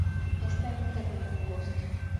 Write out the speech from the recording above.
Está en un terreno angosto.